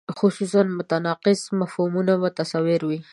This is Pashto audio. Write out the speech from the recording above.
خصوصاً متناقض مفهومونه متصور وي.